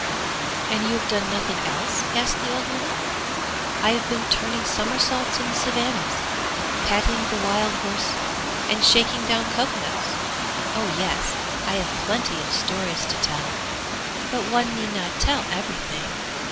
'And you have done nothing else?' asked the old woman. 'I have been turning somersaults in the Savannahs, patting the wild horse, and shaking down cocoanuts! Oh yes, I have plenty of stories to tell! But one need not tell everything.